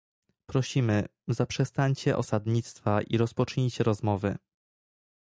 prosimy, zaprzestańcie osadnictwa i rozpocznijcie rozmowy